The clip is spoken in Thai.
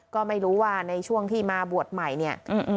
ก็ไม่รู้ว่าในช่วงที่มาบวชใหม่เนี่ย